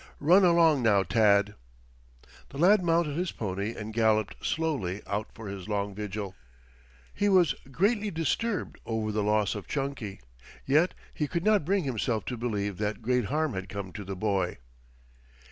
Run along now, Tad." The lad mounted his pony and galloped slowly out for his long vigil. He was greatly disturbed over the loss of Chunky. Yet he could not bring himself to believe that great harm had come to the boy.